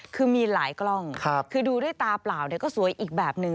คือมีหลายกล้องคือดูด้วยตาเปล่าเนี่ยก็สวยอีกแบบหนึ่ง